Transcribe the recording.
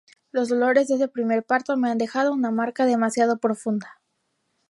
Los dolores de ese primer parto me han dejado una marca demasiado profunda.